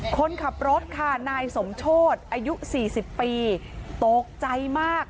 คนขับรถค่ะนายสมโชธอายุ๔๐ปีตกใจมาก